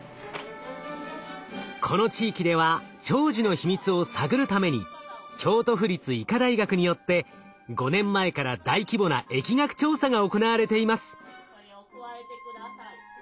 この地域では長寿の秘密を探るために京都府立医科大学によって５年前から大規模な疫学調査が行われています。